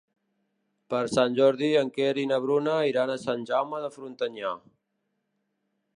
Per Sant Jordi en Quer i na Bruna iran a Sant Jaume de Frontanyà.